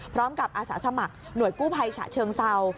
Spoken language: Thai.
พร้อมกับอาสาสมัครหน่วยกู้ภัยฉะเชิงเซา